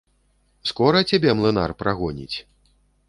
Скора цябе млынар прагоніць?